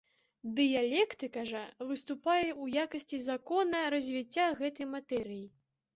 Дыялектыка жа выступае ў якасці закона развіцця гэтай матэрыі.